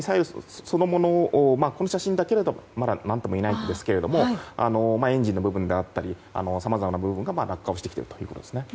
この写真だけだと何とも言えませんがエンジンの部分であったりさまざまな部分が落下してきているということですね。